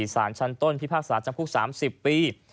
สารชั้นต้นพิพากษาจำคุก๓๐ปี